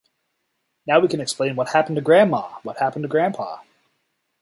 Now we can explain what happened to Grandma, what happened to Grandpa.